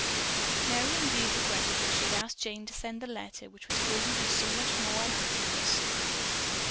Merry indeed regretted that she had asked Jane to send the letter which was causing her so much unhappiness.